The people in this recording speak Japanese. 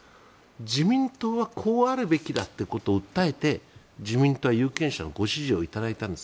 自民党はこうあるべきだということを訴えて自民党は有権者のご支持を頂いたんです。